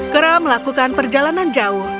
kera melakukan perjalanan jauh